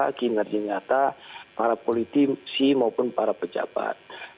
aksi nyata kinerja nyata para politisi maupun para pejabat